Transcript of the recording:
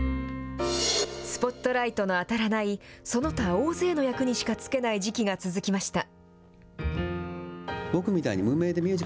スポットライトの当たらない、その他大勢の役にしかつけない時期が続きました。